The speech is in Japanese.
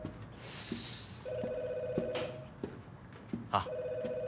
あっ。